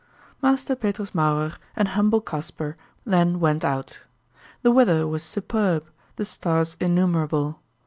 Master Petrus Mauerer and humble Kasper then went out. The weather was superb, the stars innumerable.